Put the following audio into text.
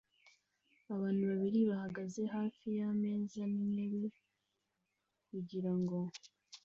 Abantu babiri bahagaze hafi yameza nintebe kugirango